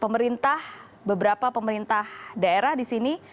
pemerintah beberapa pemerintah daerah disini